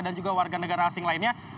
dan juga warga negara asing lainnya